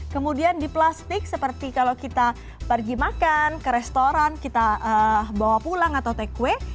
kemudian di plastik seperti kalau kita pergi makan ke restoran kita bawa pulang atau takeaway